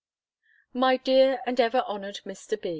_ MY DEAR AND EVER HONOURED MR.